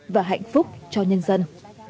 và hạnh phúc cho nhân dân